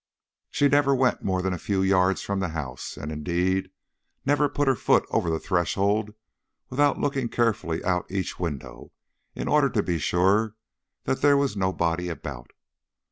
She never went more than a few yards from the house, and indeed never put her foot over the threshold without looking carefully out of each window in order to be sure that there was nobody about.